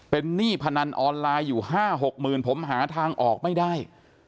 เป็นหนี้พนันออนไลน์อยู่๕๖หมื่นผมหาทางออกไม่ได้